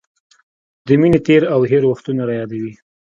د مینې تېر او هېر وختونه رايادوي.